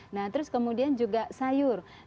nah terus kemudian juga sayur